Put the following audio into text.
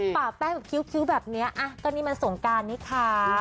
ป่าแป้งแบบคิ้วแบบนี้ก็นี่มันสงการนี่ค่ะ